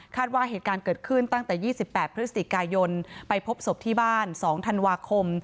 ว่าเหตุการณ์เกิดขึ้นตั้งแต่๒๘พฤศจิกายนไปพบศพที่บ้าน๒ธันวาคม